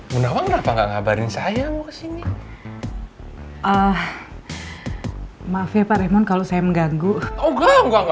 kenapa nggak ngabarin saya mau sini ah maaf ya pak raymond kalau saya mengganggu enggak